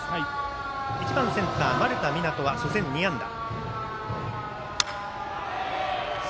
１番センター丸田湊斗は初戦２安打。